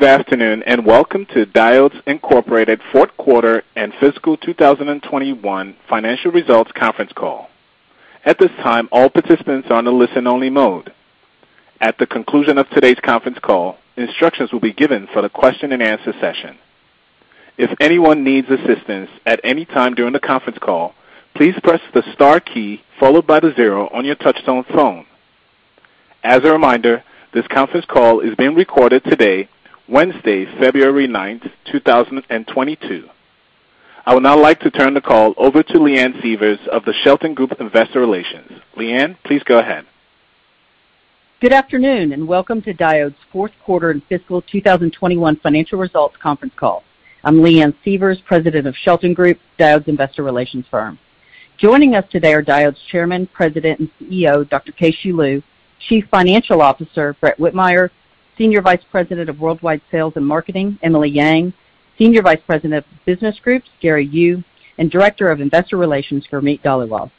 Good afternoon, and welcome to Diodes Incorporated fourth quarter and fiscal 2021 financial results conference call. At this time, all participants are on a listen-only mode. At the conclusion of today's conference call, instructions will be given for the question-and-answer session. If anyone needs assistance at any time during the conference call, please press the star key followed by the zero on your touch-tone phone. As a reminder, this conference call is being recorded today, Wednesday, February 9th, 2022. I would now like to turn the call over to Leanne Sievers of the Shelton Group Investor Relations. Leanne, please go ahead. Good afternoon, and welcome to Diodes fourth quarter and fiscal 2021 financial results conference call. I'm Leanne Sievers, President of Shelton Group, Diodes Investor Relations firm. Joining us today are Diodes Chairman, President, and CEO, Dr. Keh-Shew Lu, Chief Financial Officer, Brett Whitmire, Senior Vice President of Worldwide Sales and Marketing, Emily Yang, Senior Vice President of Business Groups, Gary Yu, and Director of Investor Relations, Gurmeet Dhaliwal.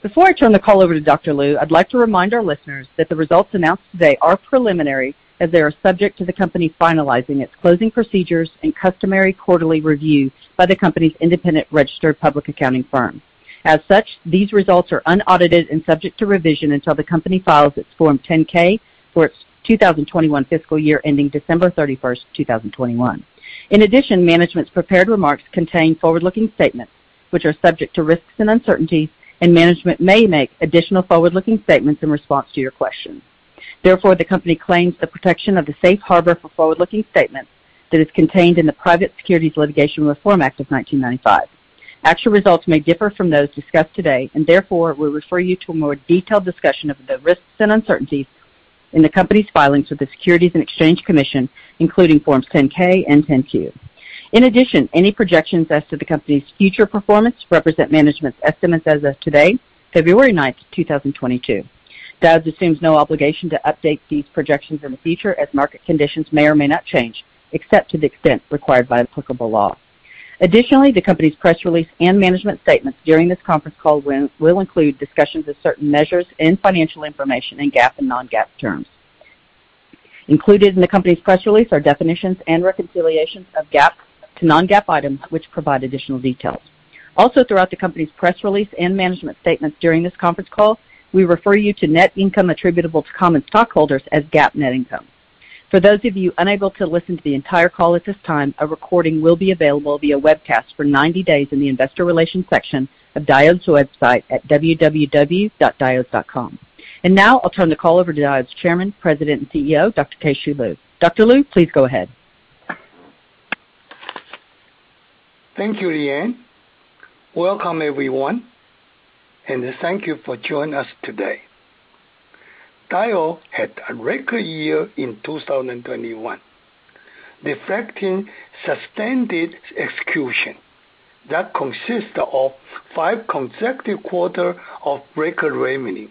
Before I turn the call over to Dr. Lu, I'd like to remind our listeners that the results announced today are preliminary as they are subject to the company finalizing its closing procedures and customary quarterly review by the company's independent registered public accounting firm. As such, these results are unaudited and subject to revision until the company files its Form 10-K for its 2021 fiscal year ending December 31st, 2021. In addition, management's prepared remarks contain forward-looking statements which are subject to risks and uncertainties, and management may make additional forward-looking statements in response to your questions. Therefore, the company claims the protection of the safe harbor for forward-looking statements that is contained in the Private Securities Litigation Reform Act of 1995. Actual results may differ from those discussed today and therefore we refer you to a more detailed discussion of the risks and uncertainties in the company's filings with the Securities and Exchange Commission, including Forms 10-K and 10-Q. In addition, any projections as to the company's future performance represent management's estimates as of today, February 9th, 2022. Diodes assumes no obligation to update these projections in the future as market conditions may or may not change, except to the extent required by applicable law. Additionally, the company's press release and management statements during this conference call will include discussions of certain measures and financial information in GAAP and non-GAAP terms. Included in the company's press release are definitions and reconciliations of GAAP to non-GAAP items which provide additional details. Also, throughout the company's press release and management statements during this conference call, we refer you to net income attributable to common stockholders as GAAP net income. For those of you unable to listen to the entire call at this time, a recording will be available via webcast for 90 days in the investor relations section of Diodes website at www.diodes.com. Now I'll turn the call over to Diodes Chairman, President, and CEO, Dr. Keh-Shew Lu. Dr. Lu, please go ahead. Thank you, Leanne. Welcome everyone, and thank you for joining us today. Diodes had a record year in 2021, reflecting sustained execution that consists of five consecutive quarters of record revenue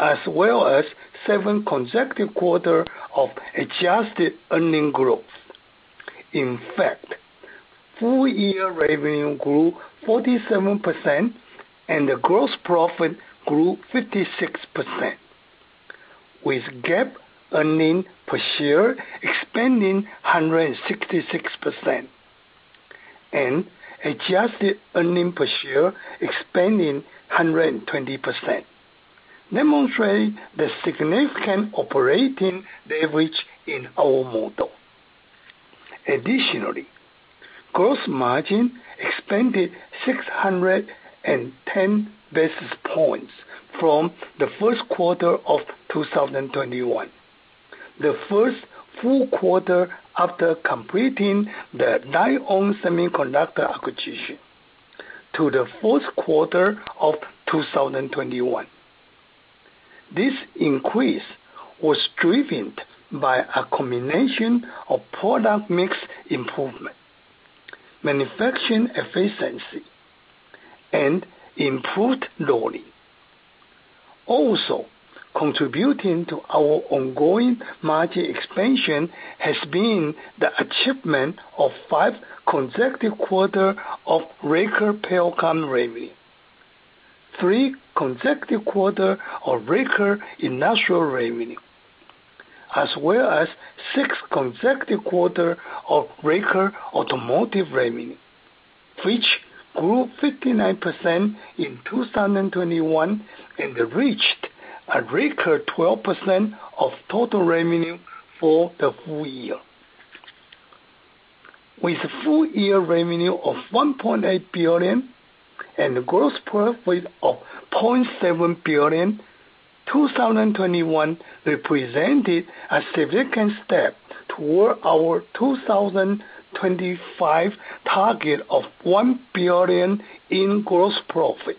as well as seven consecutive quarters of adjusted earnings growth. In fact, full year revenue grew 47% and the gross profit grew 56%, with GAAP earnings per share expanding 166% and adjusted earnings per share expanding 120%, demonstrating the significant operating leverage in our model. Additionally, gross margin expanded 610 basis points from the first quarter of 2021, the first full quarter after completing the Lite-On Semiconductor acquisition, to the fourth quarter of 2021. This increase was driven by a combination of product mix improvement, manufacturing efficiency, and improved loading. Also, contributing to our ongoing margin expansion has been the achievement of five consecutive quarters of record power comm revenue, three consecutive quarters of record industrial revenue, as well as six consecutive quarters of record automotive revenue, which grew 59% in 2021 and reached a record 12% of total revenue for the full year. With full year revenue of $1.8 billion and a gross profit of $0.7 billion, 2021 represented a significant step toward our 2025 target of $1 billion in gross profit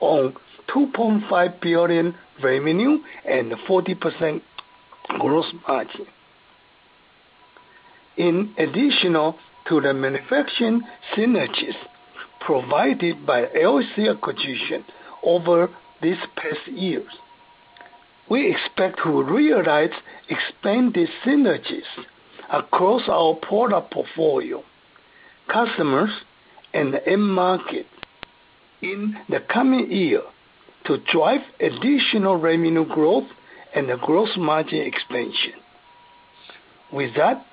on $2.5 billion revenue and 40% gross margin. In addition to the manufacturing synergies provided by LSC acquisition over these past years, we expect to realize expanded synergies across our product portfolio, customers, and end market in the coming year to drive additional revenue growth and the gross margin expansion. With that,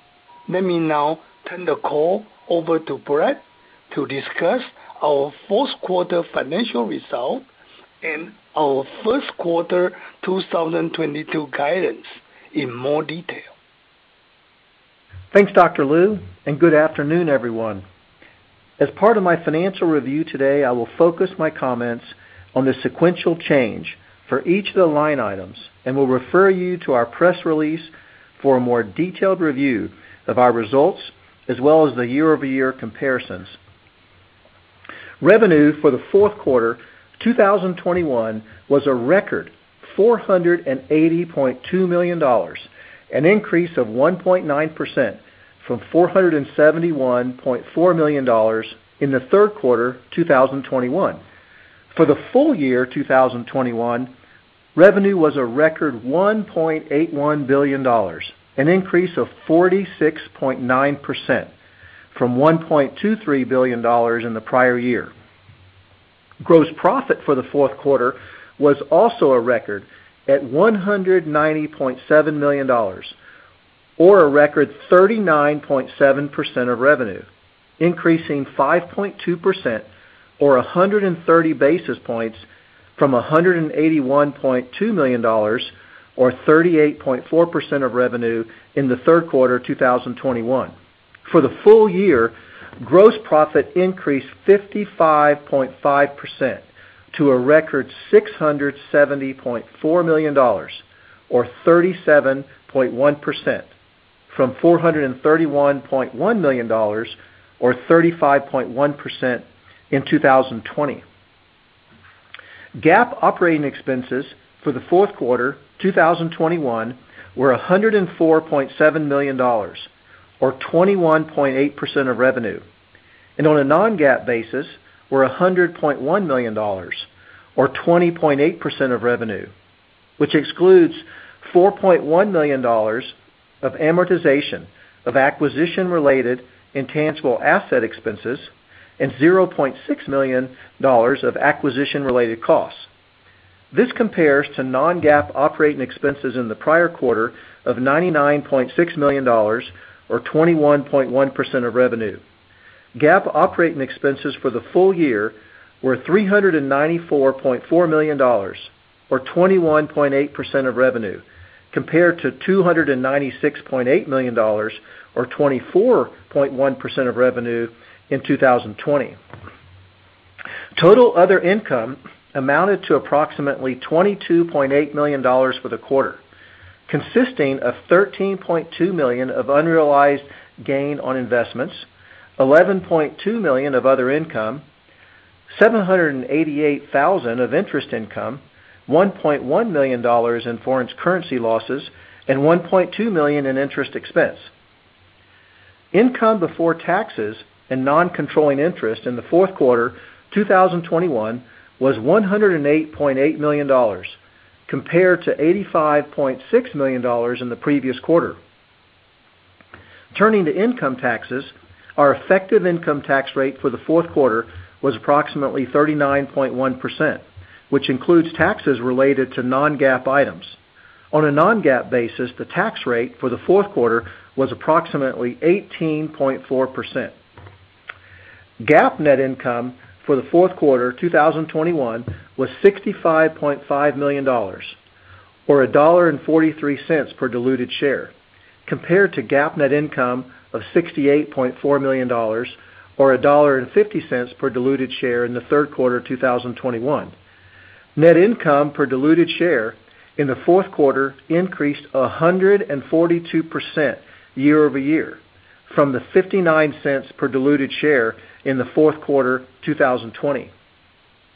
let me now turn the call over to Brett to discuss our fourth quarter financial results and our first quarter 2022 guidance in more detail. Thanks, Dr. Lu, and good afternoon, everyone. As part of my financial review today, I will focus my comments on the sequential change for each of the line items and will refer you to our press release for a more detailed review of our results as well as the year-over-year comparisons. Revenue for the fourth quarter 2021 was a record $480.2 million, an increase of 1.9% from $471.4 million in the third quarter 2021. For the full year 2021, revenue was a record $1.81 billion, an increase of 46.9% from $1.23 billion in the prior year. Gross profit for the fourth quarter was also a record at $190.7 million or a record 39.7% of revenue, increasing 5.2% or 130 basis points from $181.2 million or 38.4% of revenue in the third quarter 2021. For the full year, gross profit increased 55.5% to a record $670.4 million or 37.1% from $431.1 million or 35.1% in 2020. GAAP operating expenses for the fourth quarter 2021 were $104.7 million or 21.8% of revenue. On a non-GAAP basis were $100.1 million or 20.8% of revenue, which excludes $4.1 million of amortization of acquisition-related intangible asset expenses and $0.6 million of acquisition-related costs. This compares to non-GAAP operating expenses in the prior quarter of $99.6 million or 21.1% of revenue. GAAP operating expenses for the full year were $394.4 million or 21.8% of revenue, compared to $296.8 million or 24.1% of revenue in 2020. Total other income amounted to approximately $22.8 million for the quarter, consisting of $13.2 million of unrealized gain on investments, $11.2 million of other income, $788,000 of interest income, $1.1 million in foreign currency losses, and $1.2 million in interest expense. Income before taxes and non-controlling interest in the fourth quarter 2021 was $108.8 million compared to $85.6 million in the previous quarter. Turning to income taxes, our effective income tax rate for the fourth quarter was approximately 39.1%, which includes taxes related to non-GAAP items. On a non-GAAP basis, the tax rate for the fourth quarter was approximately 18.4%. GAAP net income for the fourth quarter 2021 was $65.5 million or $1.43 per diluted share, compared to GAAP net income of $68.4 million or $1.50 per diluted share in the third quarter of 2021. Net income per diluted share in the fourth quarter increased 142% year-over-year from $0.59 per diluted share in the fourth quarter 2020.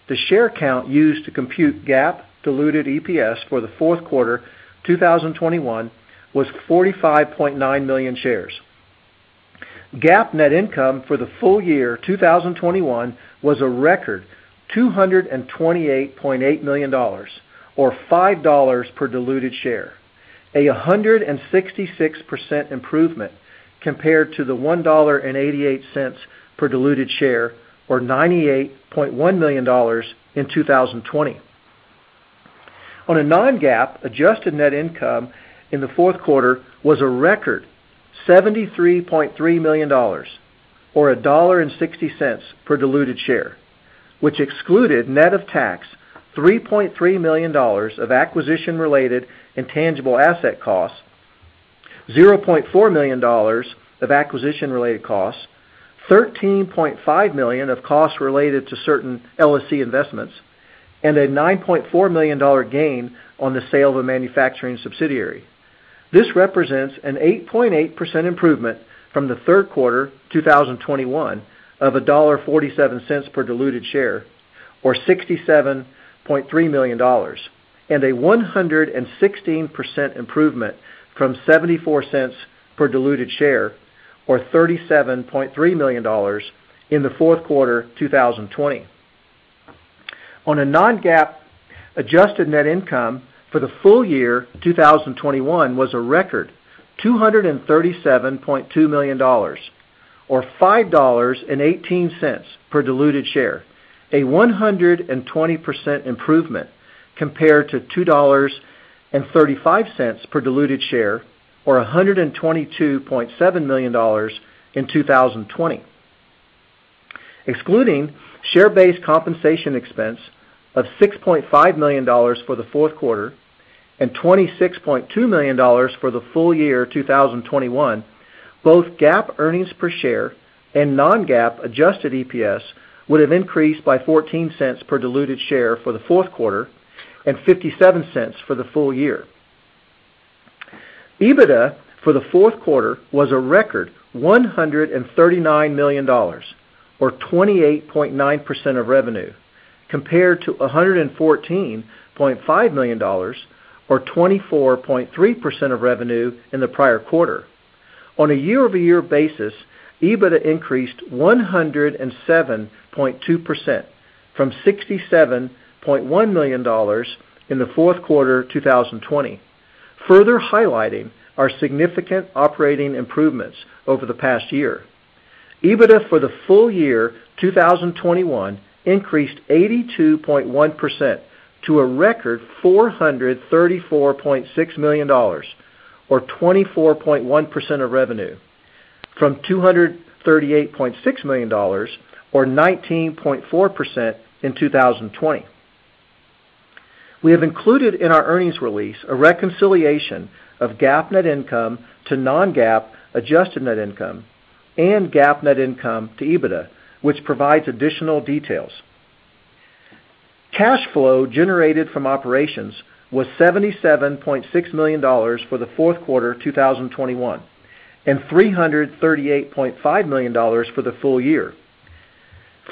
The share count used to compute GAAP diluted EPS for the fourth quarter 2021 was 45.9 million shares. GAAP net income for the full year 2021 was a record $228.8 million or $5 per diluted share, 166% improvement compared to the $1.88 per diluted share or $98.1 million in 2020. On a non-GAAP, adjusted net income in the fourth quarter was a record $73.3 million or $1.60 per diluted share, which excluded net of tax $3.3 million of acquisition-related intangible asset costs, $0.4 million of acquisition-related costs, $13.5 million of costs related to certain LSC investments, and a $9.4 million dollar gain on the sale of a manufacturing subsidiary. This represents an 8.8% improvement from the third quarter 2021 of $1.47 per diluted share or $67.3 million, and a 116% improvement from $0.74 per diluted share or $37.3 million in the fourth quarter 2020. On a non-GAAP adjusted net income for the full year 2021 was a record $237.2 million or $5.18 per diluted share, a 120% improvement compared to $2.35 per diluted share or $122.7 million in 2020. Excluding share-based compensation expense of $6.5 million for the fourth quarter and $26.2 million for the full year 2021, both GAAP earnings per share and non-GAAP adjusted EPS would have increased by $0.14 per diluted share for the fourth quarter and $0.57 for the full year. EBITDA for the fourth quarter was a record $139 million or 28.9% of revenue, compared to $114.5 million or 24.3% of revenue in the prior quarter. On a year-over-year basis, EBITDA increased 107.2% from $67.1 million in the fourth quarter 2020, further highlighting our significant operating improvements over the past year. EBITDA for the full year 2021 increased 82.1% to a record $434.6 million or 24.1% of revenue from $238.6 million or 19.4% in 2020. We have included in our earnings release a reconciliation of GAAP net income to non-GAAP adjusted net income and GAAP net income to EBITDA, which provides additional details. Cash flow generated from operations was $77.6 million for the fourth quarter 2021, and $338.5 million for the full year.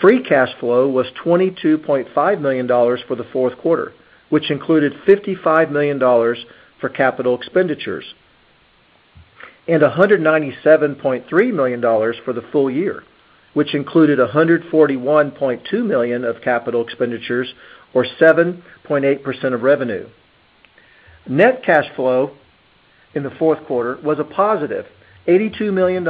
Free cash flow was $22.5 million for the fourth quarter, which included $55 million for capital expenditures, and $197.3 million for the full year, which included $141.2 million of capital expenditures or 7.8% of revenue. Net cash flow in the fourth quarter was a positive $82 million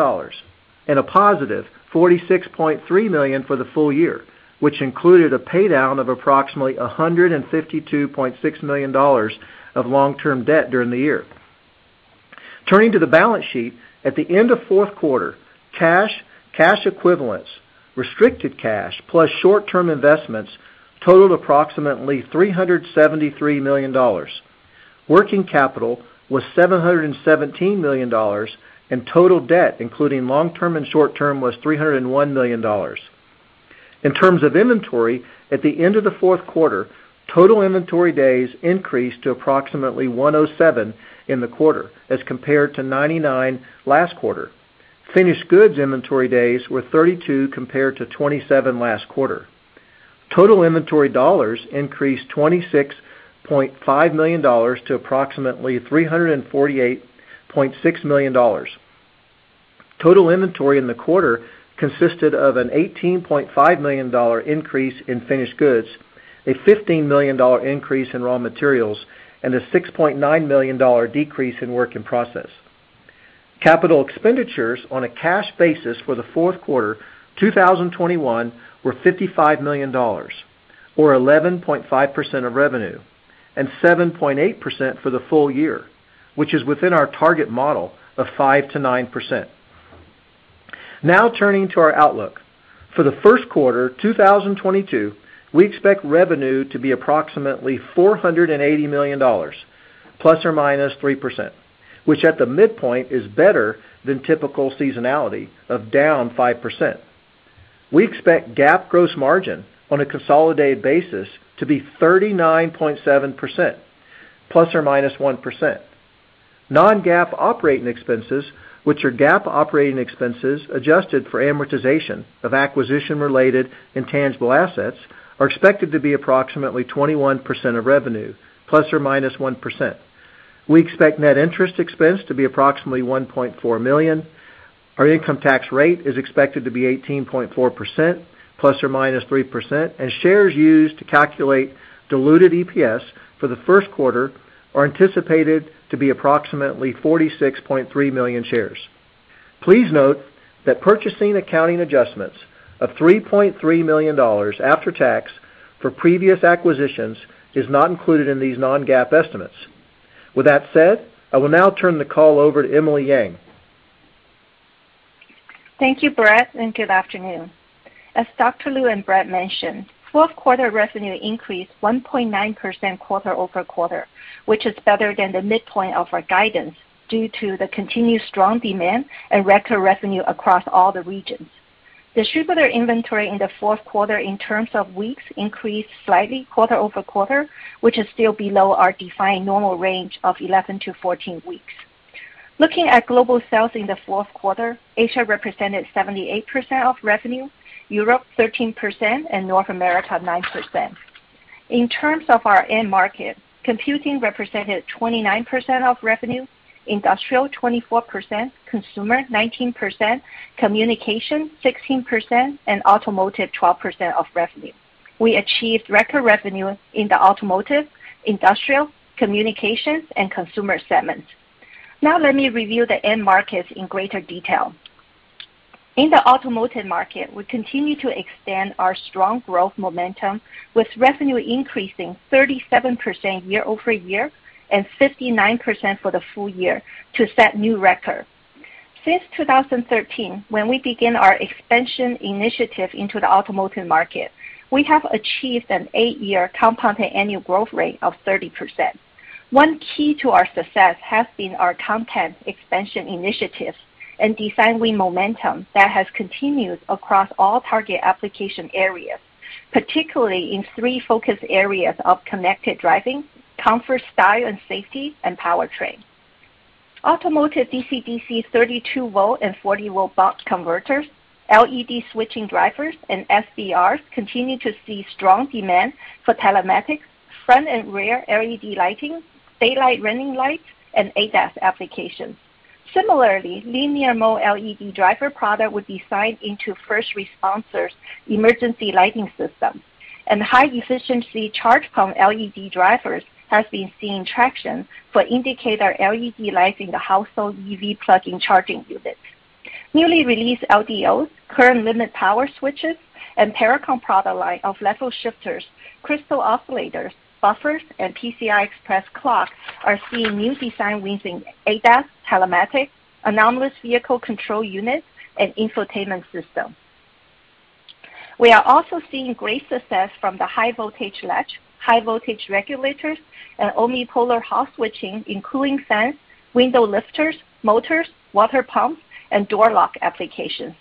and a positive $46.3 million for the full year, which included a paydown of approximately $152.6 million of long-term debt during the year. Turning to the balance sheet, at the end of fourth quarter, cash equivalents, restricted cash plus short-term investments totaled approximately $373 million. Working capital was $717 million, and total debt, including long-term and short-term, was $301 million. In terms of inventory, at the end of the fourth quarter, total inventory days increased to approximately 107 in the quarter as compared to 99 last quarter. Finished goods inventory days were 32 compared to 27 last quarter. Total inventory dollars increased $26.5 million to approximately $348.6 million. Total inventory in the quarter consisted of an $18.5 million increase in finished goods, a $15 million increase in raw materials, and a $6.9 million decrease in work in process. Capital expenditures on a cash basis for the fourth quarter 2021 were $55 million or 11.5% of revenue and 7.8% for the full year, which is within our target model of 5%-9%. Now turning to our outlook. For the first quarter 2022, we expect revenue to be approximately $480 million ±3%, which at the midpoint is better than typical seasonality of down 5%. We expect GAAP gross margin on a consolidated basis to be 39.7% ±1%. Non-GAAP operating expenses, which are GAAP operating expenses adjusted for amortization of acquisition-related intangible assets, are expected to be approximately 21% of revenue ±1%. We expect net interest expense to be approximately $1.4 million. Our income tax rate is expected to be 18.4% ±3%, and shares used to calculate diluted EPS for the first quarter are anticipated to be approximately 46.3 million shares. Please note that purchase accounting adjustments of $3.3 million after tax for previous acquisitions is not included in these non-GAAP estimates. With that said, I will now turn the call over to Emily Yang. Thank you, Brett, and good afternoon. As Dr. Lu and Brett mentioned, fourth quarter revenue increased 1.9% quarter-over-quarter, which is better than the midpoint of our guidance due to the continued strong demand and record revenue across all the regions. Distributor inventory in the fourth quarter in terms of weeks increased slightly quarter-over-quarter, which is still below our defined normal range of 11 weeks-14 weeks. Looking at global sales in the fourth quarter, Asia represented 78% of revenue, Europe 13%, and North America 9%. In terms of our end market, Computing Represented 29% of revenue, Industrial 24%, Consumer 19%, Communication 16%, and Automotive 12% of revenue. We achieved record revenue in the Automotive, Industrial, Communications, and Consumer segments. Now let me review the end markets in greater detail. In the automotive market, we continue to extend our strong growth momentum, with revenue increasing 37% year-over-year and 59% for the full year to set new record. Since 2013, when we begin our expansion initiative into the automotive market, we have achieved an eight-year compounded annual growth rate of 30%. One key to our success has been our content expansion initiatives and design win momentum that has continued across all target application areas, particularly in three focus areas of connected driving, comfort, style, and safety, and powertrain. Automotive DC-DC 32-volt and 40-volt buck converters, LED switching drivers and SBRs continue to see strong demand for telematics, front and rear LED lighting, daylight running lights and ADAS applications. Similarly, linear mode LED driver product was designed into first responders' emergency lighting systems, and high-efficiency charge pump LED drivers has been seeing traction for indicator LED lights in the household EV plug-in charging units. Newly released LDOs, current limit power switches, and Pericom product line of level shifters, crystal oscillators, buffers, and PCI Express clocks are seeing new design wins in ADAS, telematics, autonomous vehicle control units, and infotainment systems. We are also seeing great success from the high-voltage latch, high-voltage regulators, and omnipolar Hall-effect switching in cooling fans, window lifters, motors, water pumps, and door lock applications.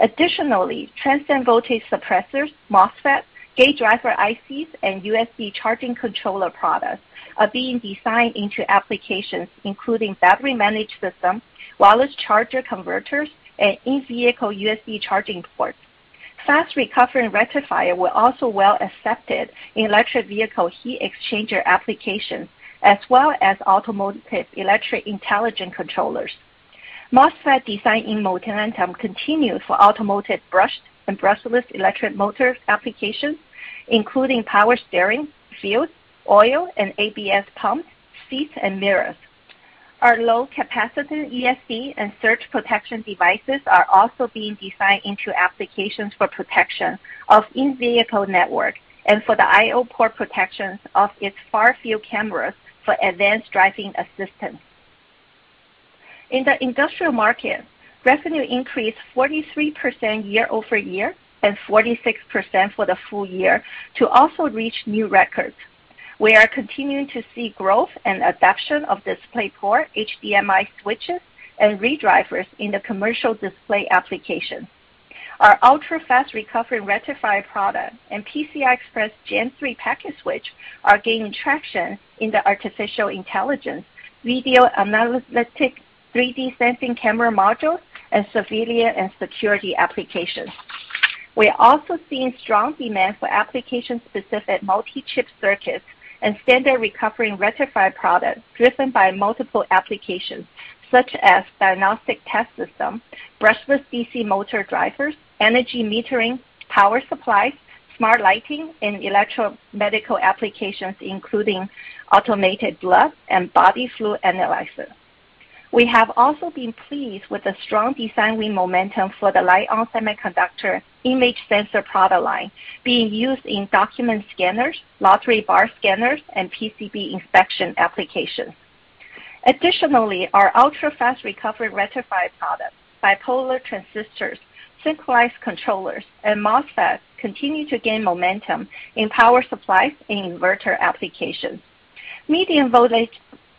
Additionally, transient voltage suppressors, MOSFETs, gate driver ICs, and USB charging controller products are being designed into applications including battery management systems, wireless charger converters, and in-vehicle USB charging ports. Fast recovery rectifiers were also well accepted in electric vehicle heat exchanger applications as well as automotive electric intelligent controllers. MOSFET design wins momentum continued for automotive brushed and brushless electric motor applications, including power steering, fuel, oil and ABS pumps, seats and mirrors. Our low capacitance ESD and surge protection devices are also being designed into applications for protection of in-vehicle network and for the I/O port protection of its far-field cameras for advanced driving assistance. In the industrial market, revenue increased 43% year-over-year, and 46% for the full year to also reach new records. We are continuing to see growth and adoption of DisplayPort HDMI switches and ReDrivers in the commercial display application. Our ultra-fast recovery rectifier product and PCI Express Gen 3 packet switch are gaining traction in the Artificial Intelligence video analytics, 3D sensing camera modules, and civilian and security applications. We are also seeing strong demand for application-specific multi-chip circuits and standard recovering rectifier products driven by multiple applications such as diagnostic test system, brushless DC motor drivers, energy metering, power supplies, smart lighting, and electro medical applications, including automated blood and body fluid analyzers. We have also been pleased with the strong design win momentum for the Lite-On Semiconductor image sensor product line being used in document scanners, lottery bar scanners, and PCB inspection applications. Additionally, our ultra-fast recovery rectifier products, bipolar transistors, synchronized controllers, and MOSFETs continue to gain momentum in power supplies and inverter applications.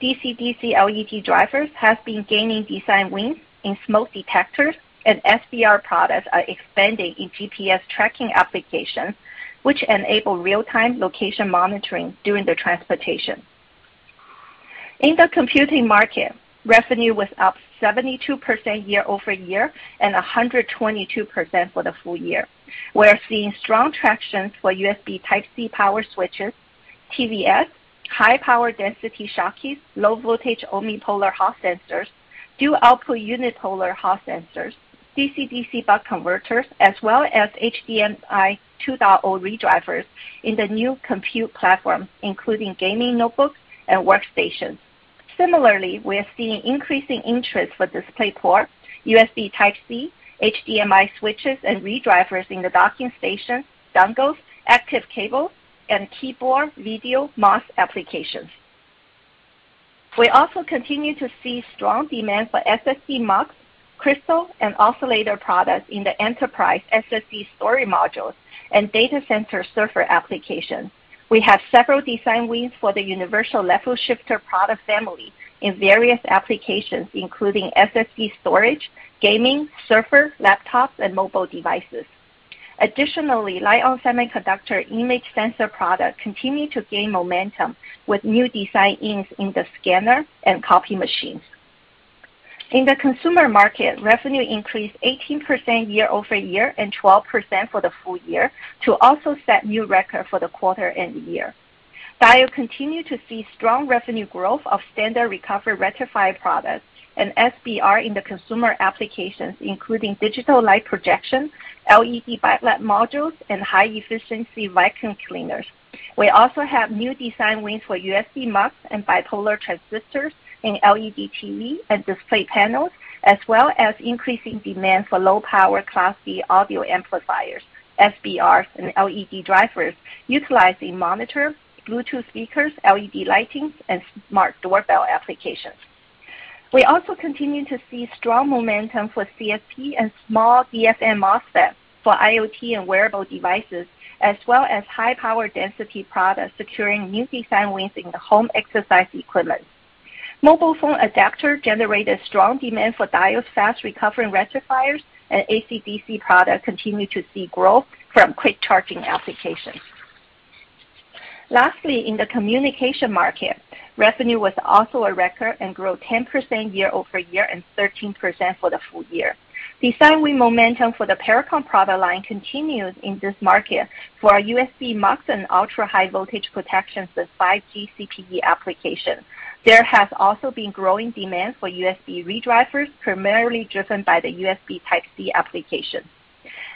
Medium voltage DC-DC LED drivers have been gaining design wins in smoke detectors, and SBR products are expanding in GPS tracking applications, which enable real-time location monitoring during the transportation. In the computing market, revenue was up 72% year-over-year and 122% for the full year. We are seeing strong traction for USB Type-C power switches, TVS, high power density Schottky, low voltage omnipolar Hall sensors, dual output unipolar Hall sensors, DC-DC buck converters, as well as HDMI 2.0 ReDrivers in the new compute platform, including gaming notebooks and workstations. Similarly, we are seeing increasing interest for DisplayPort, USB Type-C, HDMI switches and ReDrivers in the docking station, dongles, active cable and keyboard video mouse applications. We also continue to see strong demand for SSD mux, crystal and oscillator products in the enterprise SSD storage modules and data center server applications. We have several design wins for the universal level shifter product family in various applications including SSD storage, gaming, server, laptops and mobile devices. Additionally, Lite-On Semiconductor image sensor products continue to gain momentum with new design wins in the scanner and copy machines. In the consumer market, revenue increased 18% year-over-year and 12% for the full year to also set new record for the quarter and the year. Diodes continues to see strong revenue growth of standard recovery rectifier products and SBR in the consumer applications, including digital light projection, LED backlight modules, and high-efficiency vacuum cleaners. We also have new design wins for USB mux and bipolar transistors in LED TV and display panels, as well as increasing demand for low-power Class D audio amplifiers, SBRs, and LED drivers utilized in monitor, Bluetooth speakers, LED lighting, and smart doorbell applications. We also continue to see strong momentum for CSP and small DFN MOSFET for IoT and wearable devices, as well as high power density products securing new design wins in the home exercise equipment. Mobile phone adapter generated strong demand for Diodes fast recovery rectifiers, and AC-DC products continue to see growth from quick charging applications. Lastly, in the communication market, revenue was also a record and grew 10% year-over-year and 13% for the full year. Design win momentum for the Pericom product line continues in this market for our USB mux and ultra-high voltage protections with 5G CPE application. There has also been growing demand for USB ReDrivers, primarily driven by the USB Type-C application.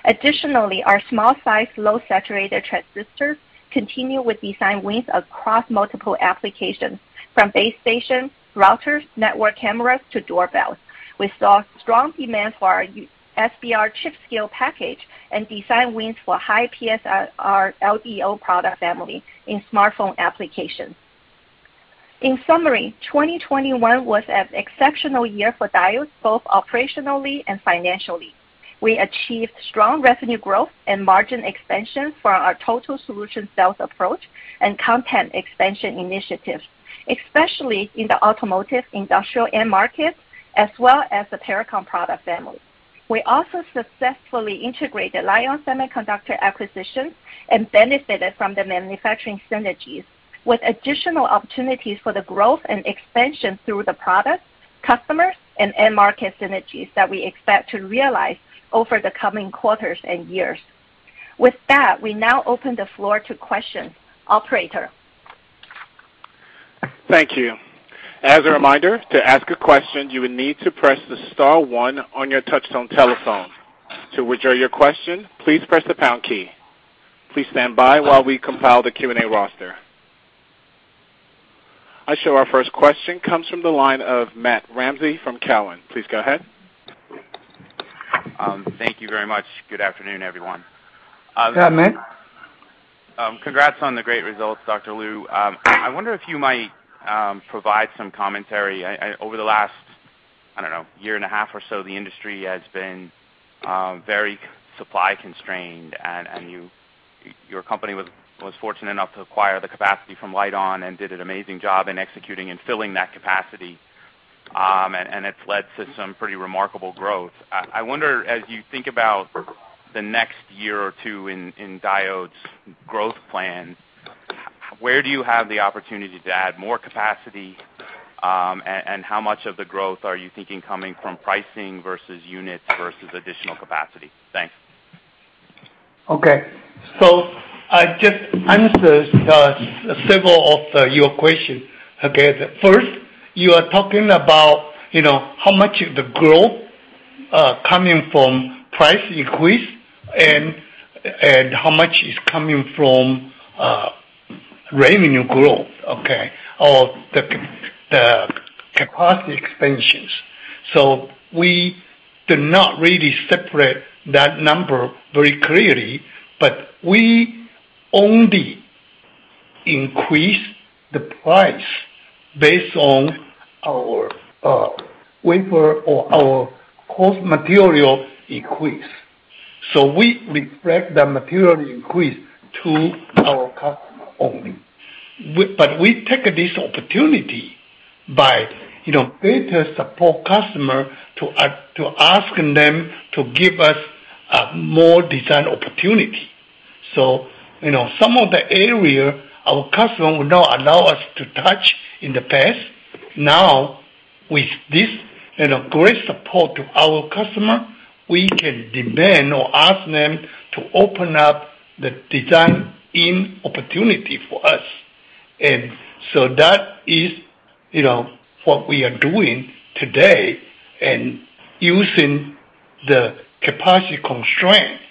Additionally, our small size low saturation transistors continue with design wins across multiple applications, from base stations, routers, network cameras to doorbells. We saw strong demand for our SBR chip-scale package and design wins for high PSRR LDO product family in smartphone applications. In summary, 2021 was an exceptional year for Diodes, both operationally and financially. We achieved strong revenue growth and margin expansion for our total solution sales approach and content expansion initiatives, especially in the automotive, industrial, end markets, as well as the Pericom product family. We also successfully integrated LITE-ON Semiconductor acquisitions and benefited from the manufacturing synergies, with additional opportunities for the growth and expansion through the products, customers, and end market synergies that we expect to realize over the coming quarters and years. With that, we now open the floor to questions. Operator? Thank you. As a reminder, to ask a question, you will need to press the star one on your touchtone telephone. To withdraw your question, please press the pound key. Please stand by while we compile the Q&A roster. I show our first question comes from the line of Matt Ramsay from Cowen. Please go ahead. Thank you very much. Good afternoon, everyone. Yeah, Matt. Congrats on the great results, Dr. Lu. I wonder if you might provide some commentary. Over the last, I don't know, year and a half or so, the industry has been very supply constrained, and your company was fortunate enough to acquire the capacity from Lite-On and did an amazing job in executing and filling that capacity. It's led to some pretty remarkable growth. I wonder as you think about the next year or two in Diodes growth plans, where do you have the opportunity to add more capacity, and how much of the growth are you thinking coming from pricing versus units versus additional capacity? Thanks. Okay. I just answered several of your question. Okay. First, you are talking about, you know, how much of the growth coming from price increase and how much is coming from revenue growth, okay? Or the capacity expansions. We do not really separate that number very clearly, but we only increase the price based on our wafer or our cost material increase. We reflect the material increase to our customer only. But we take this opportunity by, you know, better support customer to asking them to give us more design opportunity. You know, some of the area our customer would not allow us to touch in the past. Now, with this, you know, great support to our customer, we can demand or ask them to open up the design in opportunity for us. That is, you know, what we are doing today and using the capacity constraint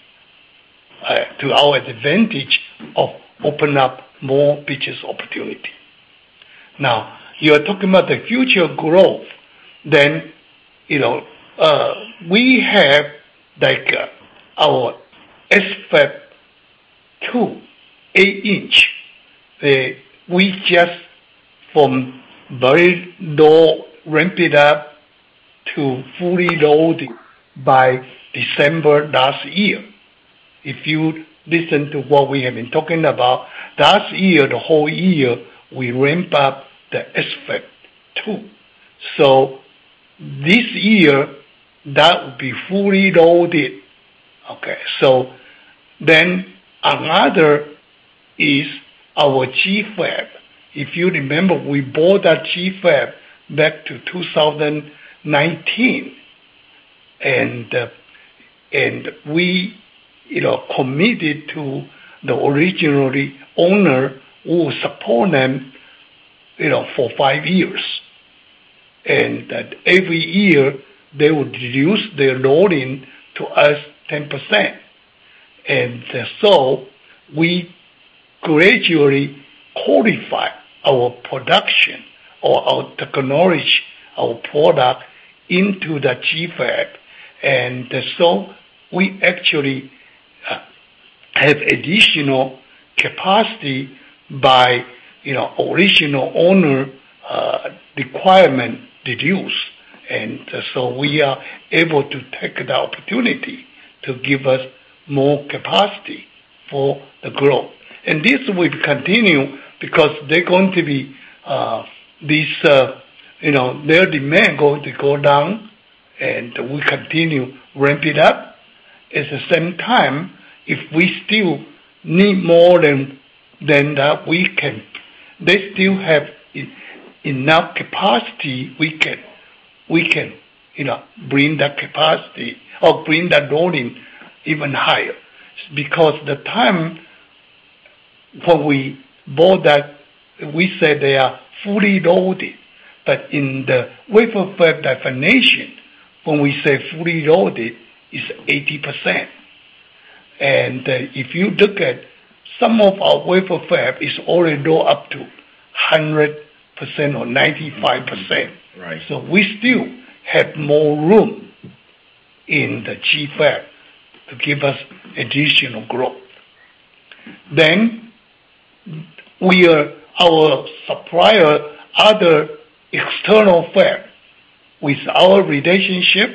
to our advantage to open up more business opportunity. Now, you are talking about the future growth then, you know, we have like our SFAB 2, 8-inch. We just from very low ramp it up to fully loading by December last year. If you listen to what we have been talking about, last year, the whole year, we ramp up the SFAB 2. This year that will be fully loaded. Okay. Then another is our GFAB. If you remember, we bought that GFAB back to 2019. We, you know, committed to the original owner who will support them, you know, for five years. That every year they would reduce their loading to us 10%. We gradually qualify our production or our technology, our product into the GFAB. We actually have additional capacity by, you know, original owner requirement reduce. We are able to take the opportunity to give us more capacity for the growth. This will continue because they're going to be, you know, their demand going to go down, and we continue ramp it up. At the same time, if we still need more than that, they still have enough capacity, we can, you know, bring that capacity or bring that loading even higher. Because the time when we bought that, we said they are fully loaded. In the wafer fab definition, when we say fully loaded, it's 80%. If you look at some of our wafer fab is already load up to 100% or 95%. Right. We still have more room in the chip fab to give us additional growth. We have our supplier, other external fab. With our relationship,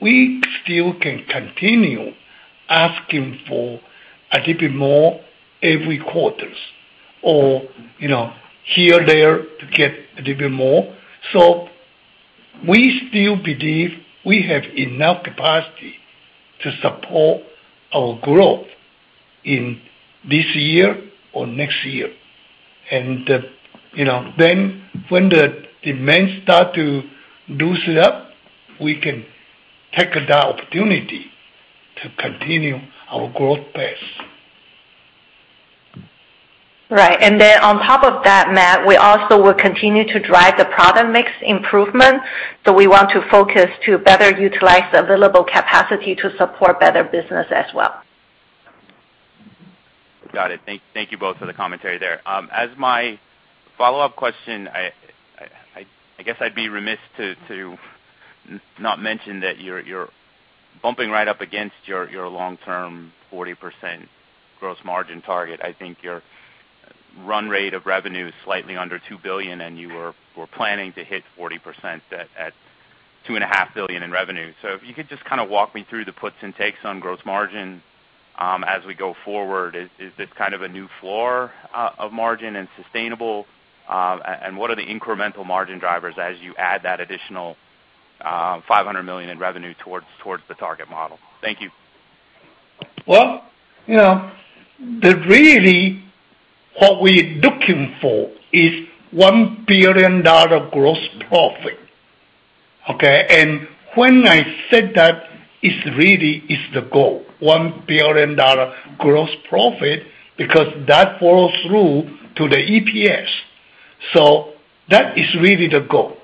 we still can continue asking for a little bit more every quarter or, you know, here, there to get a little bit more. We still believe we have enough capacity to support our growth in this year or next year. You know, then when the demand start to loosen up, we can take that opportunity to continue our growth pace. Right. On top of that, Matt, we also will continue to drive the product mix improvement. We want to focus to better utilize the available capacity to support better business as well. Got it. Thank you both for the commentary there. As my follow-up question, I guess I'd be remiss to not mention that you're bumping right up against your long-term 40% gross margin target. I think your run rate of revenue is slightly under $2 billion, and you were planning to hit 40% at $2.5 billion in revenue. If you could just kind of walk me through the puts and takes on gross margin as we go forward. Is this kind of a new floor of margin and sustainable? And what are the incremental margin drivers as you add that additional $500 million in revenue towards the target model? Thank you. Well, you know, really what we're looking for is $1 billion gross profit. Okay? When I said that, it's really the goal, $1 billion gross profit, because that follows through to the EPS. That is really the goal.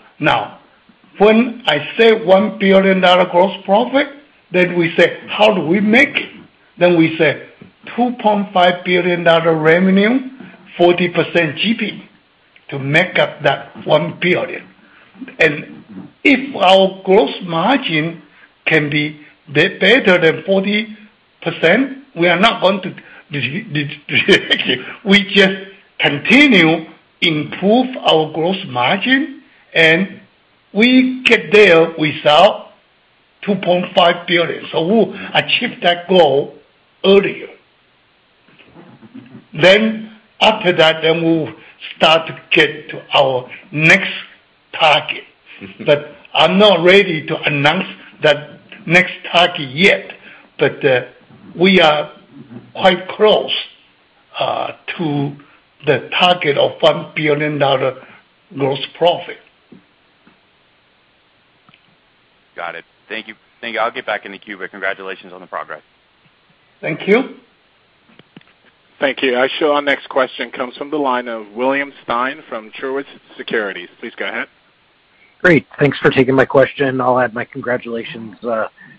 Now, when I say $1 billion gross profit, we say, how do we make it? We say $2.5 billion revenue, 40% GP to make up that $1 billion. If our gross margin can be better than 40%, we are not going to reduce it. We just continue improve our gross margin, and we get there without $2.5 billion. We'll achieve that goal earlier. After that, we'll start to get to our next target. I'm not ready to announce that next target yet. We are quite close to the target of $1 billion gross profit. Got it. Thank you. I'll get back in the queue, but congratulations on the progress. Thank you. Thank you. I show our next question comes from the line of William Stein from Truist Securities. Please go ahead. Great. Thanks for taking my question. I'll add my congratulations,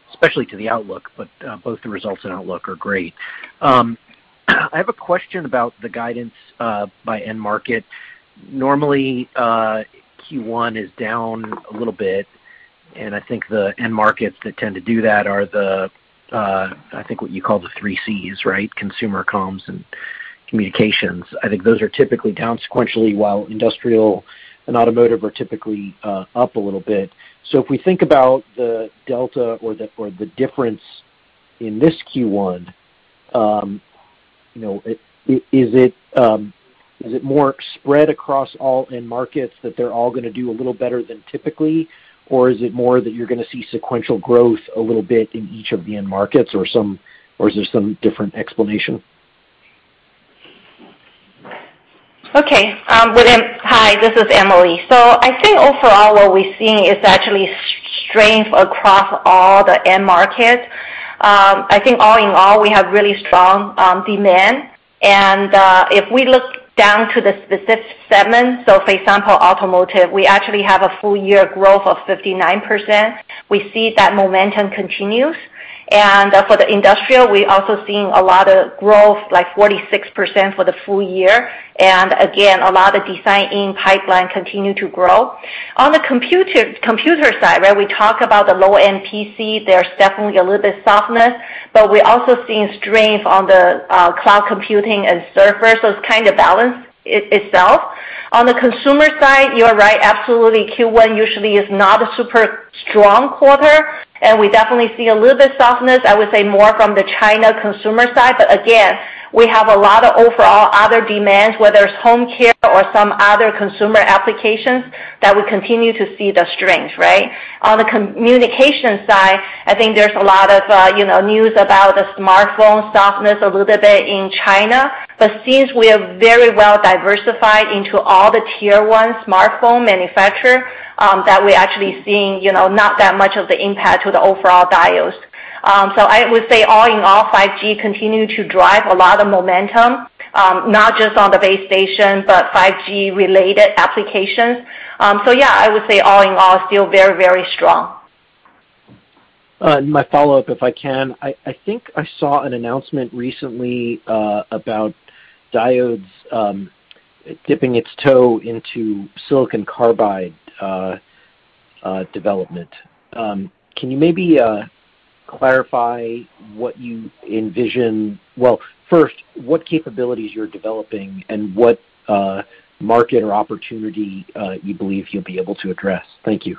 especially to the outlook, but both the results and outlook are great. I have a question about the guidance, by end market. Normally, Q1 is down a little bit, and I think the end markets that tend to do that are the, I think what you call the three Cs, right? Consumer comms and communications. I think those are typically down sequentially, while industrial and automotive are typically up a little bit. If we think about the delta or the difference in this Q1, you know, is it more spread across all end markets that they're all gonna do a little better than typically? Is it more that you're gonna see sequential growth a little bit in each of the end markets or is there some different explanation? Okay. William, hi, this is Emily. I think overall what we're seeing is actually strength across all the end markets. I think all in all, we have really strong demand. If we look down to the specific segments, so for example, automotive, we actually have a full year growth of 59%. We see that momentum continues. For the industrial, we're also seeing a lot of growth, like 46% for the full year. Again, a lot of design in pipeline continue to grow. On the computer side, where we talk about the low-end PC, there's definitely a little bit softness, but we're also seeing strength on the cloud computing and servers. It's kind of balanced itself. On the consumer side, you are right, absolutely. Q1 usually is not a super strong quarter, and we definitely see a little bit softness, I would say more from the China consumer side. Again, we have a lot of overall other demands, whether it's home care or some other consumer applications that we continue to see the strength, right? On the communication side, I think there's a lot of, you know, news about the smartphone softness a little bit in China. Since we are very well diversified into all the tier one smartphone manufacturer, that we're actually seeing, you know, not that much of the impact to the overall Diodes. I would say all in all, 5G continue to drive a lot of momentum, not just on the base station, but 5G related applications. Yeah, I would say all in all, still very, very strong. My follow-up, if I can. I think I saw an announcement recently about Diodes dipping its toe into silicon carbide development. Can you maybe clarify what you envision? Well, first, what capabilities you're developing and what market or opportunity you believe you'll be able to address? Thank you.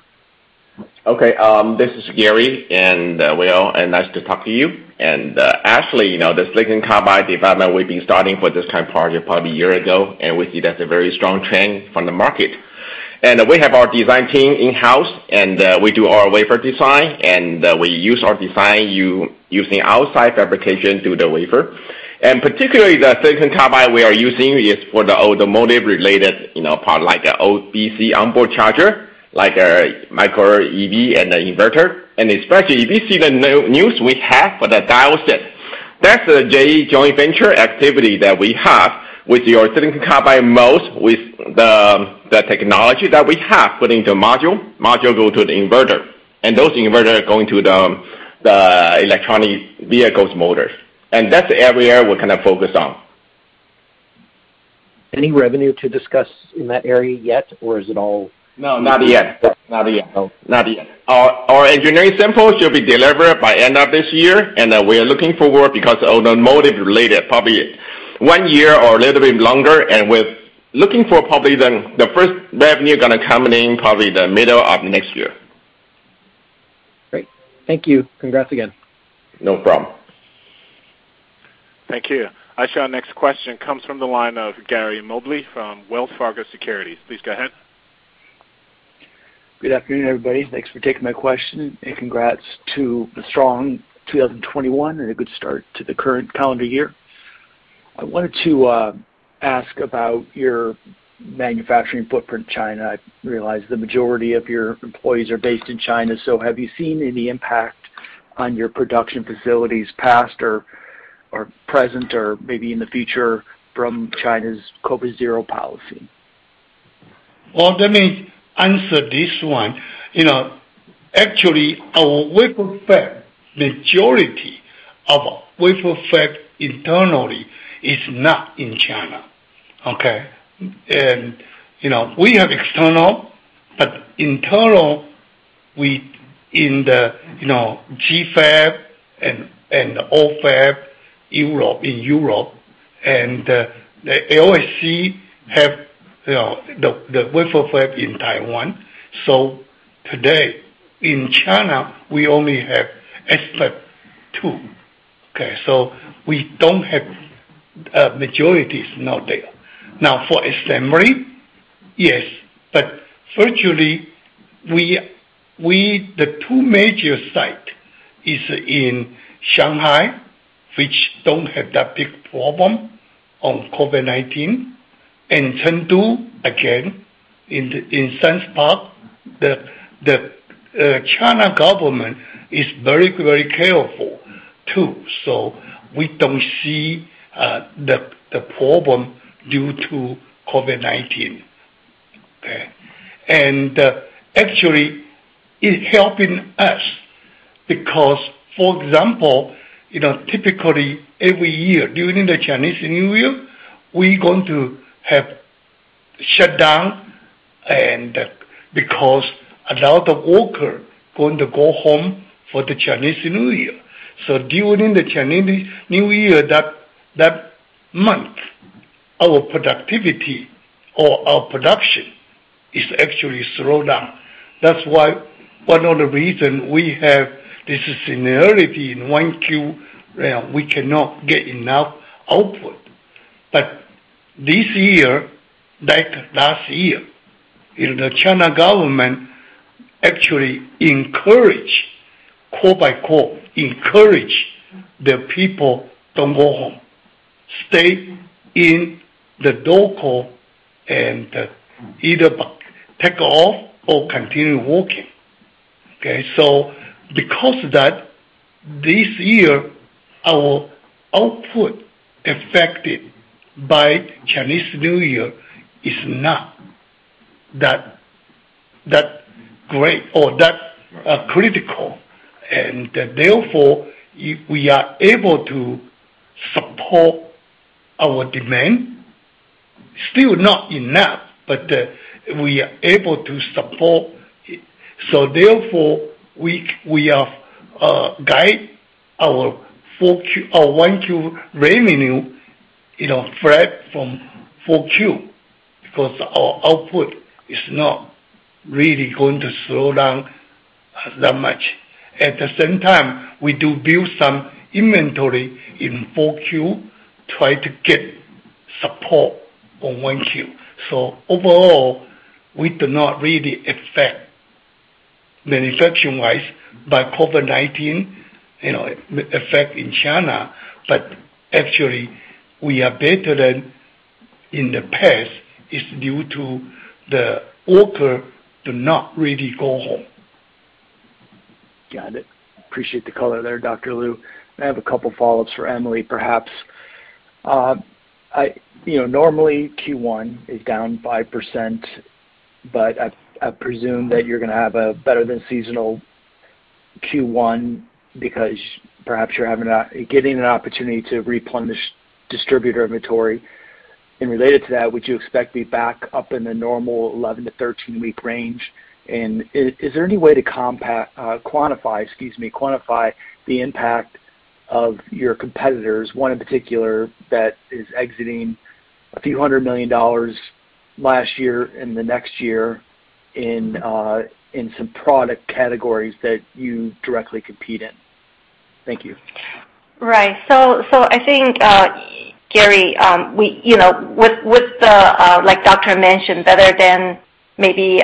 Okay. This is Gary and William, and nice to talk to you. Actually, you know, the silicon carbide development, we've been starting for this kind of project probably a year ago, and we see that's a very strong trend from the market. We have our design team in-house, and we do our wafer design, and we use our design using outside fabrication through the wafer. Particularly the silicon carbide we are using is for the automotive-related, you know, part like OBC onboard charger, like micro EV and the inverter. Especially if you see the news we have for the Diodes. That's a joint venture activity that we have with your silicon carbide MOS, with the technology that we have put into module go to the inverter, and those inverters are going to the electric vehicles motors. That's the area we're gonna focus on. Any revenue to discuss in that area yet, or is it all- No, not yet. Oh. Not yet. Our engineering sample should be delivered by end of this year, and then we are looking forward because automotive related, probably one year or a little bit longer, and with looking for probably the first revenue gonna come in probably the middle of next year. Great. Thank you. Congrats again. No problem. Thank you. Our next question comes from the line of Gary Mobley from Wells Fargo Securities. Please go ahead. Good afternoon, everybody. Thanks for taking my question. Congrats to the strong 2021 and a good start to the current calendar year. I wanted to ask about your manufacturing footprint in China. I realize the majority of your employees are based in China. Have you seen any impact on your production facilities, past or present or maybe in the future from China's COVID zero policy? Well, let me answer this one. You know, actually, our wafer fab, majority of wafer fab internally is not in China. Okay? You know, we have external, but internal, we're in the, you know, GFAB and OFAB in Europe, and the LSC has, you know, the wafer fab in Taiwan. Today, in China, we only have SFAB 2. Okay? We don't have majority now there. Now, for assembly, yes. Virtually, the two major sites are in Shanghai, which don't have that big problem with COVID-19, and Chengdu, again, in that sense, the Chinese government is very, very careful too. We don't see the problem due to COVID-19. Okay? Actually, it's helping us because, for example, you know, typically, every year during the Chinese New Year, we're going to have shut down and because a lot of worker going to go home for the Chinese New Year. During the Chinese New Year, that month, our productivity or our production is actually slowed down. That's why one of the reason we have this seasonality in Q1, we cannot get enough output. But this year, like last year, you know, the Chinese government actually encouraged, quote unquote, encourage the people don't go home, stay in the dorm or and either take off or continue working. Okay, so because of that, this year, our output affected by Chinese New Year is not that great or that critical. Therefore, we are able to support our demand. Still not enough, but we are able to support it. Therefore, we have guided our Q1 revenue, you know, flat from Q4 because our output is not really going to slow down that much. At the same time, we did build some inventory in Q4 to support Q1. Overall, we are not really affected manufacturing-wise by COVID-19, you know, effects in China. Actually we are better than in the past. It's due to the workers do not really go home. Got it. I appreciate the color there, Dr. Lu. I have a couple follow-ups for Emily, perhaps. You know, normally Q1 is down 5%, but I presume that you're gonna have a better than seasonal Q1 because perhaps you're getting an opportunity to replenish distributor inventory. Related to that, would you expect to be back up in the normal 11-13 week range? Is there any way to, excuse me, quantify the impact of your competitors, one in particular that is exiting few hundred million dollars last year and the next year in some product categories that you directly compete in? Thank you. Right. I think, Gary, we, you know, with the, like Dr. Lu mentioned, better than maybe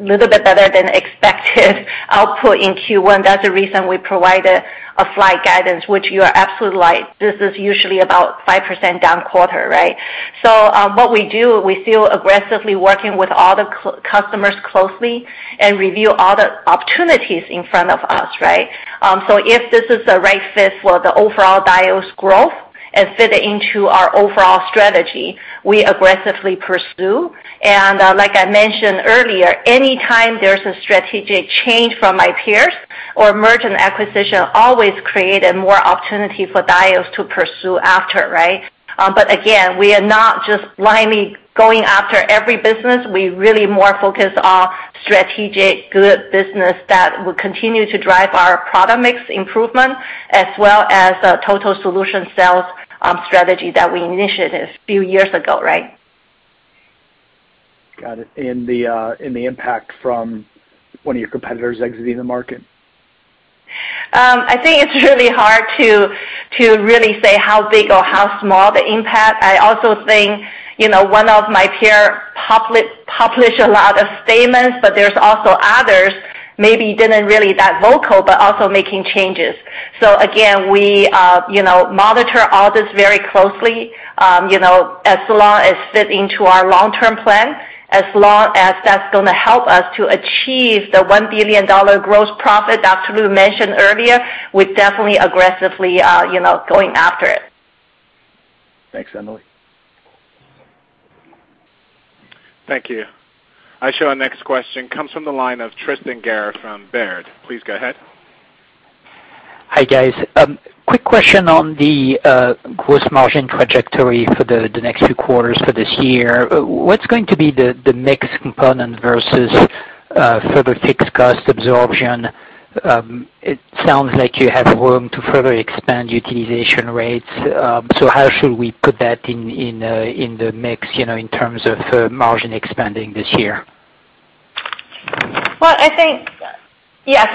little bit better than expected output in Q1. That's the reason we provided a slight guidance, which you are absolutely right. This is usually about 5% down quarter, right? What we do, we still aggressively working with all the customers closely and review all the opportunities in front of us, right? If this is the right fit for the overall Diodes growth and fit into our overall strategy, we aggressively pursue. Like I mentioned earlier, any time there's a strategic change from my peers or a merchant acquisition always create a more opportunity for Diodes to pursue after, right? Again, we are not just blindly going after every business. We really more focused on strategic good business that will continue to drive our product mix improvement as well as the total solution sales, strategy that we initiated few years ago, right? Got it. The impact from one of your competitors exiting the market? I think it's really hard to really say how big or how small the impact. I also think, you know, one of my peers publish a lot of statements, but there's also others maybe weren't really so vocal, but also making changes. Again, we monitor all this very closely. You know, as long as fit into our long-term plan, as long as that's gonna help us to achieve the $1 billion gross profit Dr. Lu mentioned earlier, we're definitely aggressively going after it. Thanks, Emily. Thank you. Our next question comes from the line of Tristan Gerra from Baird. Please go ahead. Hi, guys. Quick question on the gross margin trajectory for the next few quarters for this year. What's going to be the mix component versus further fixed cost absorption? It sounds like you have room to further expand utilization rates. So how should we put that in the mix, you know, in terms of margin expanding this year? Well, I think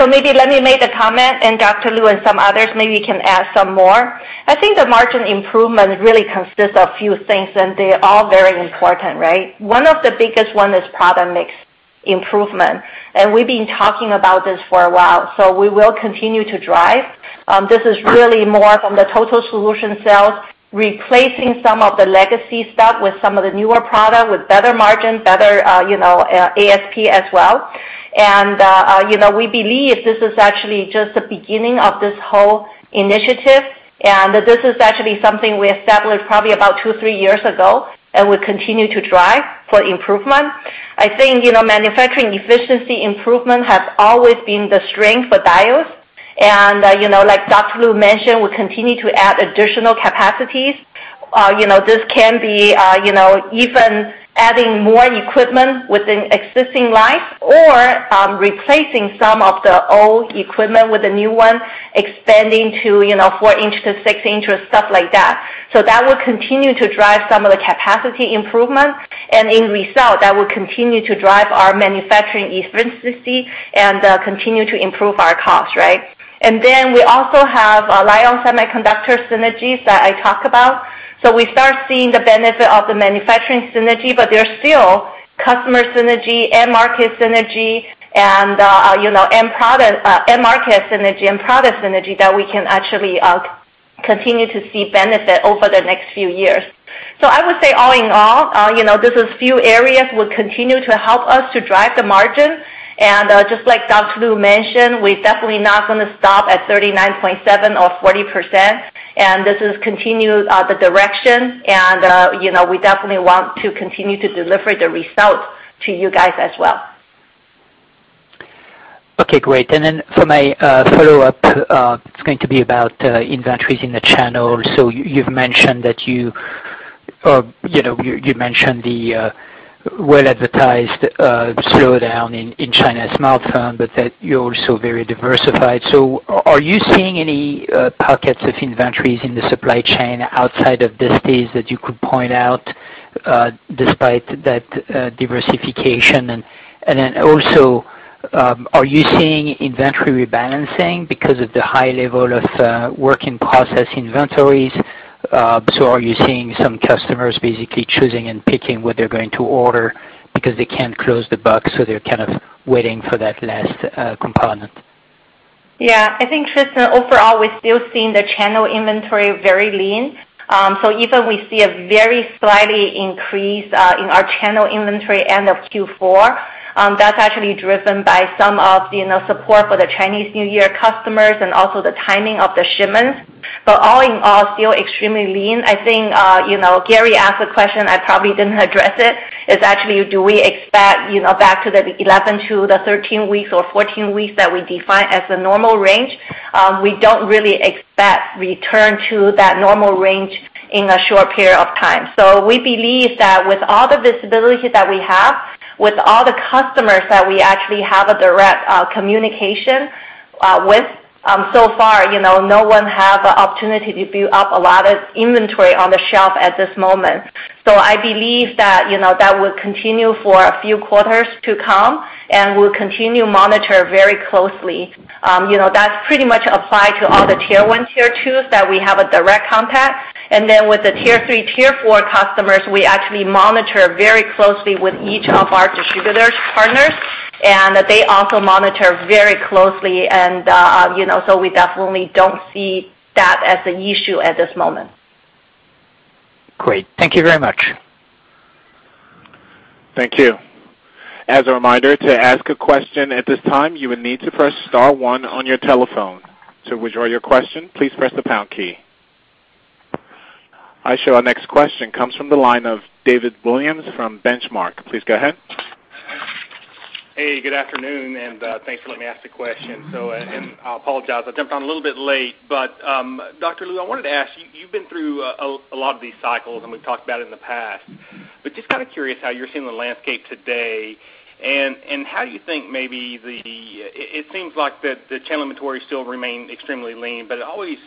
maybe let me make a comment, and Dr. Lu and some others maybe can add some more. I think the margin improvement really consists of few things, and they're all very important, right? One of the biggest one is product mix improvement, and we've been talking about this for a while, so we will continue to drive. This is really more from the total solution sales, replacing some of the legacy stuff with some of the newer product with better margin, better ASP as well. We believe this is actually just the beginning of this whole initiative, and this is actually something we established probably about two, three years ago and will continue to drive for improvement. I think manufacturing efficiency improvement has always been the strength for Diodes. You know, like Dr. Lu mentioned, we continue to add additional capacities. You know, this can be, you know, even adding more equipment within existing lines or, replacing some of the old equipment with a new one, expanding to, you know, 4-inch to 6-inch or stuff like that. That will continue to drive some of the capacity improvement. In result, that will continue to drive our manufacturing efficiency and, continue to improve our cost, right? Then we also have Lite-On Semiconductor synergies that I talk about. We start seeing the benefit of the manufacturing synergy, but there's still customer synergy and market synergy and, you know, end product, end market synergy and product synergy that we can actually, continue to see benefit over the next few years. I would say all in all, you know, these few areas will continue to help us to drive the margin. Just like Dr. Lu mentioned, we're definitely not gonna stop at 39.7% or 40%, and this is continued, the direction. You know, we definitely want to continue to deliver the results to you guys as well. Okay, great. For my follow-up, it's going to be about inventories in the channel. You've mentioned the well-advertised slowdown in China's smartphone, but that you're also very diversified. Are you seeing any pockets of inventories in the supply chain outside of this space that you could point out despite that diversification? Are you seeing inventory rebalancing because of the high level of work in process inventories? Are you seeing some customers basically choosing and picking what they're going to order because they can't close the book, so they're kind of waiting for that last component? Yeah. I think, Tristan, overall, we're still seeing the channel inventory very lean. So even we see a very slightly increase in our channel inventory end of Q4, that's actually driven by some of, you know, support for the Chinese New Year customers and also the timing of the shipments. But all in all, still extremely lean. I think, you know, Gary asked a question, I probably didn't address it, is actually do we expect, you know, back to the 11 to the 13 weeks or 14 weeks that we define as the normal range. We don't really expect return to that normal range in a short period of time. We believe that with all the visibility that we have, with all the customers that we actually have a direct communication with, so far, you know, no one have a opportunity to build up a lot of inventory on the shelf at this moment. I believe that, you know, that will continue for a few quarters to come and we'll continue monitor very closely. That's pretty much apply to all the tier one, tier twos that we have a direct contact. With the tier three, tier four customers, we actually monitor very closely with each of our distributors partners, and they also monitor very closely and, you know, so we definitely don't see that as an issue at this moment. Great. Thank you very much. Thank you. As a reminder, to ask a question at this time, you will need to press star one on your telephone. To withdraw your question, please press the pound key. Our next question comes from the line of David Williams from Benchmark. Please go ahead. Hey, good afternoon, and thanks for letting me ask the question. I apologize, I jumped on a little bit late, but Dr. Lu, I wanted to ask you've been through a lot of these cycles, and we've talked about it in the past. Just kind of curious how you're seeing the landscape today. How do you think maybe it seems like the channel inventory still remain extremely lean, but it always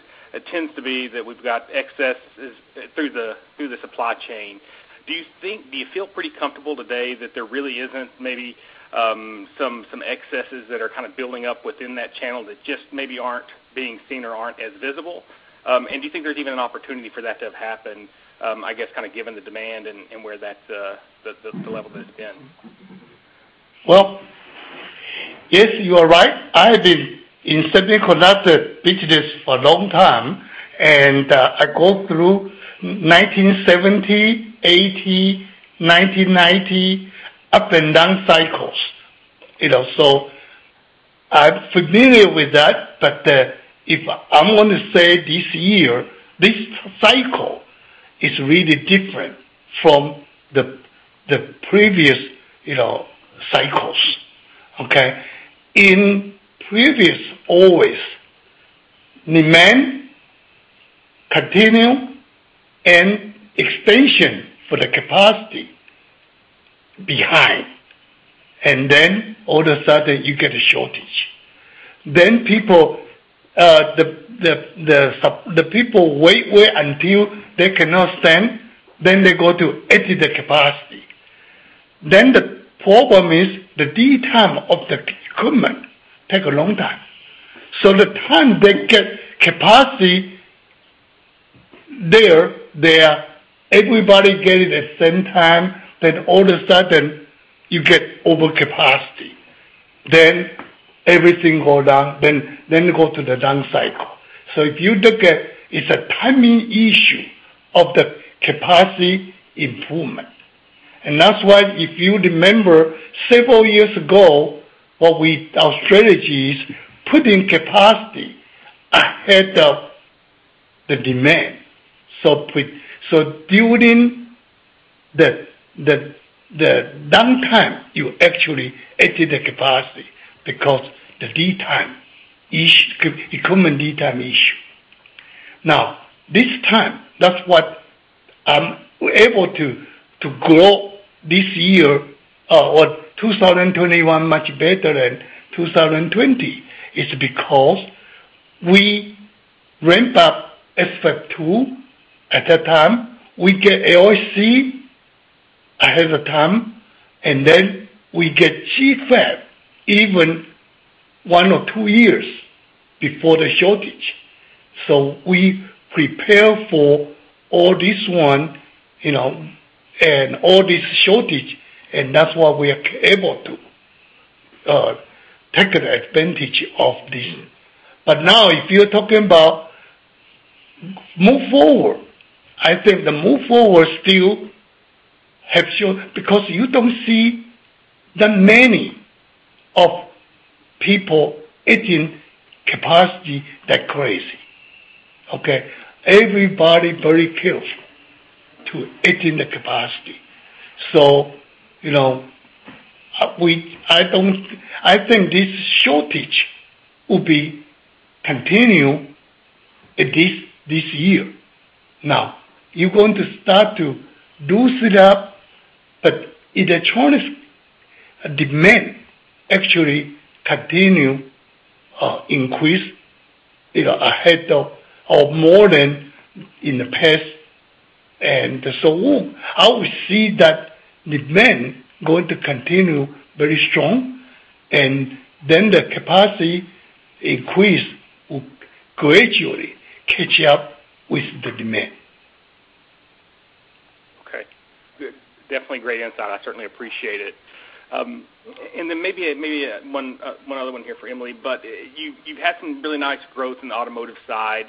tends to be that we've got excesses through the supply chain. Do you feel pretty comfortable today that there really isn't maybe some excesses that are kind of building up within that channel that just maybe aren't being seen or aren't as visible? Do you think there's even an opportunity for that to have happened, I guess, kind of given the demand and where that, the level that it's been? Well, yes, you are right. I have been in semiconductor business for a long time, and I go through 1970, 1980, 1990, up and down cycles, you know. I'm familiar with that. If I'm gonna say this year, this cycle is really different from the previous, you know, cycles. Okay? In previous, always, demand continue and expansion for the capacity behind. Then all of a sudden you get a shortage. Then people, the people wait until they cannot stand, then they go to exit the capacity. Then the problem is the lead time of the equipment take a long time. So the time they get capacity there, they, everybody get it at the same time, then all of a sudden you get over capacity. Then everything go down. Then go to the down cycle. If you look at, it's a timing issue of the capacity improvement. That's why, if you remember several years ago, our strategy is putting capacity ahead of the demand. During the downtime, you actually exit the capacity because the lead time is equipment lead time issue. Now, this time, that's what I'm able to grow this year or 2021 much better than 2020, is because we ramp up SFAB 2 at that time. We get AOC ahead of time, and then we get GFAB even one or two years before the shortage. We prepare for all this, you know, and all this shortage, and that's why we are able to take the advantage of this. If you're talking about move forward, I think the move forward still have shown. Because you don't see that many people adding capacity that's crazy, okay? Everybody very careful about adding the capacity. You know, I think this shortage will continue at least this year. Now, you're going to start to ramp it up, but electronics demand actually continues to increase, you know, ahead of more than in the past. I would see that demand going to continue very strong, and then the capacity increase will gradually catch up with the demand. Okay. Good. Definitely great insight. I certainly appreciate it. Maybe one other one here for Emily, but you’ve had some really nice growth in the automotive side,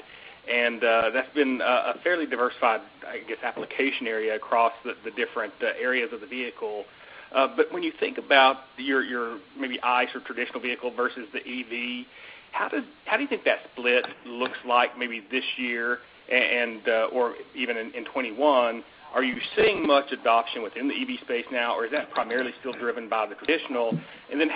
and that’s been a fairly diversified, I guess, application area across the different areas of the vehicle. But when you think about your maybe ICE or traditional vehicle versus the EV, how do you think that split looks like maybe this year and or even in 2021? Are you seeing much adoption within the EV space now, or is that primarily still driven by the traditional?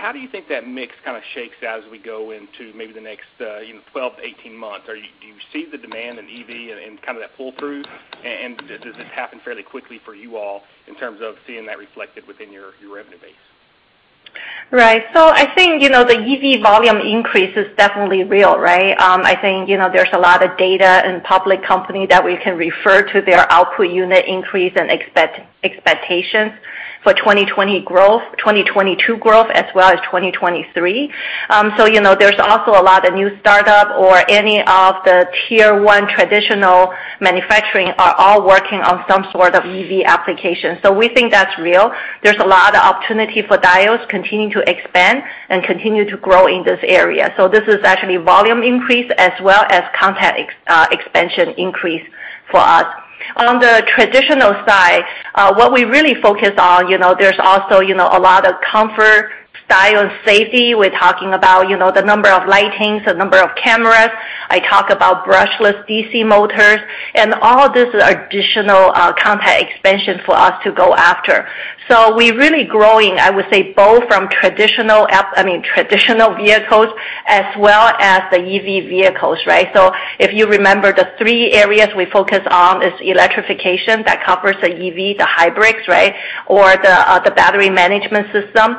How do you think that mix kinda shakes out as we go into maybe the next you know 12-18 months? Do you see the demand in EV and kind of that pull-through? Does this happen fairly quickly for you all in terms of seeing that reflected within your revenue base? Right. I think, you know, the EV volume increase is definitely real, right? I think, you know, there's a lot of data in public companies that we can refer to their output unit increase and expectations for 2020 growth, 2022 growth, as well as 2023. You know, there's also a lot of new startups or any of the tier one traditional manufacturers are all working on some sort of EV application. We think that's real. There's a lot of opportunity for Diodes continuing to expand and continue to grow in this area. This is actually volume increase as well as customer expansion increase for us. On the traditional side, what we really focus on, you know, there's also, you know, a lot of comfort, style, and safety. We're talking about, you know, the number of lights, the number of cameras. I talk about brushless DC motors and all this additional contact expansion for us to go after. We're really growing, I would say, both from traditional vehicles as well as the EV vehicles, right? If you remember, the three areas we focus on is electrification. That covers the EV, the hybrids, right? Or the battery management system.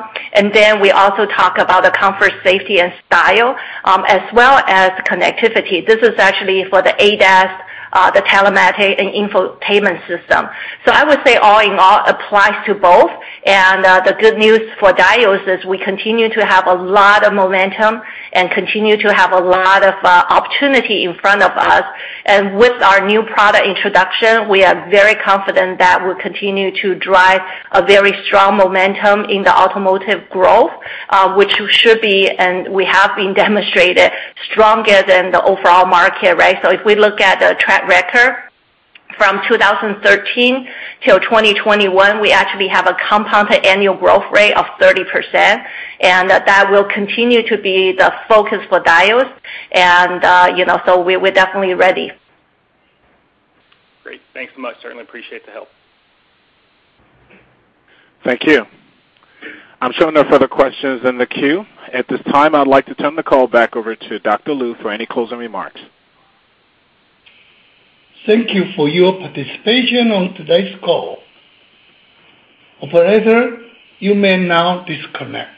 Then we also talk about the comfort, safety, and style, as well as connectivity. This is actually for the ADAS, the telematics and infotainment system. I would say all in all applies to both. The good news for Diodes is we continue to have a lot of momentum and continue to have a lot of opportunity in front of us. With our new product introduction, we are very confident that we'll continue to drive a very strong momentum in the automotive growth, which should be, and we have demonstrated, stronger than the overall market, right? If we look at the track record from 2013 till 2021, we actually have a compounded annual growth rate of 30%, and that will continue to be the focus for DIOD. We're definitely ready. Great. Thanks so much. Certainly appreciate the help. Thank you. I'm showing no further questions in the queue. At this time, I'd like to turn the call back over to Dr. Lu for any closing remarks. Thank you for your participation on today's call. Operator, you may now disconnect.